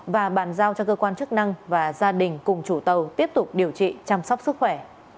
và bàn giao cho cơ quan chức năng và gia đình cùng chủ tàu tiếp tục điều trị chăm sóc sức khỏe